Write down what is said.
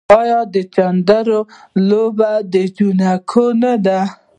آیا د چيندرو لوبه د نجونو نه ده؟